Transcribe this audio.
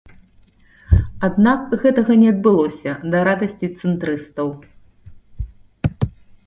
Аднак гэтага не адбылося, да радасці цэнтрыстаў.